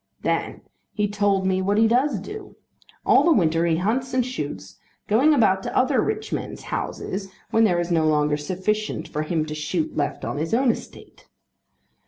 Then he told me what he does do. All the winter he hunts and shoots, going about to other rich men's houses when there is no longer sufficient for him to shoot left on his own estate.